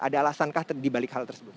ada alasankah dibalik hal tersebut